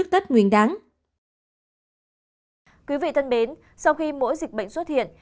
thưa quý vị thân mến sau khi mỗi dịch bệnh xuất hiện